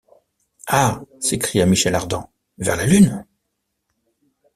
Ah! s’écria Michel Ardan, vers la Lune?